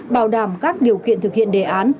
bảo đảm các điều kiện thực hiện đề án